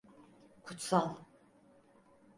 Kutsal.